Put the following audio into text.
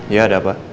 iya ada apa